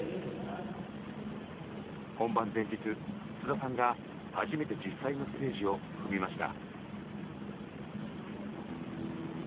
本番前日菅田さんが初めて実際のステージを踏みました。